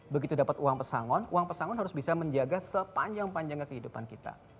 begitu dapat uang pesangon uang pesangon harus bisa menjaga sepanjang panjangnya kehidupan kita